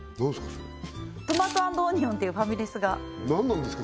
それトマト＆オニオンっていうファミレスが何なんですか？